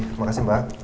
terima kasih mbak